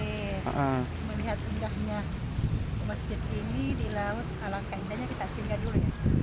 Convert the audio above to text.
melihat undahnya masjid ini di laut alang kandanya kita singgah dulu ya